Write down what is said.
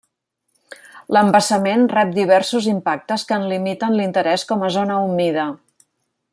L'embassament rep diversos impactes que en limiten l'interès com a zona humida.